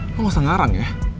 lo gak usah ngarang ya